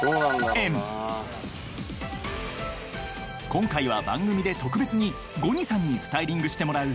［今回は番組で特別にゴニさんにスタイリングしてもらう］